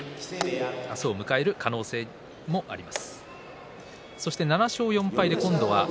明日を迎える可能性もあります。